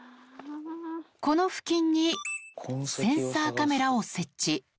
この付近にセンサーカメラを設置。